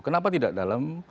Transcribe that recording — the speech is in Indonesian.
kenapa tidak dalam